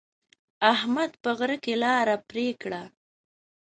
احمد په غره کې لاره پرې کړه.